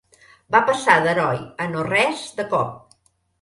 Va passar d'heroi a no res de cop.